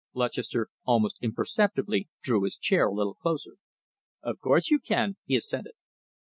Lutchester almost imperceptibly drew his chair a little closer. "Of course you can," he assented.